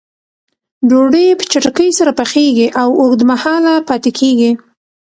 ډوډۍ په چټکۍ سره پخیږي او اوږد مهاله پاتې کېږي.